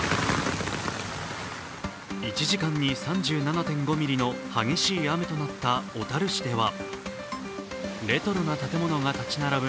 １時間に３７．５ミリの激しい雨となった小樽市ではレトロな建物が立ち並ぶ